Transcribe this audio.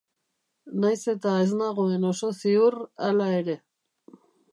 Nahiz eta ez nagoen oso ziur, hala ere.